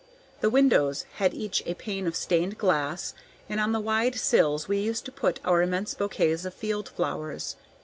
The windows had each a pane of stained glass, and on the wide sills we used to put our immense bouquets of field flowers.